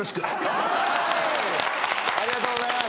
「ありがとうございます」